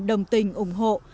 đồng tình ủng hộ